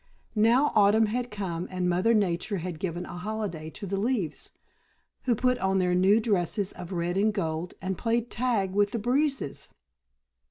Now Autumn had come and Mother Nature had given a holiday to the leaves, who put on their new dresses of red and gold and played tag with the breezes.